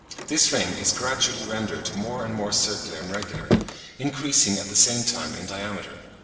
This ring is gradually rendered more and more circular and regular, increasing at the same time in diameter.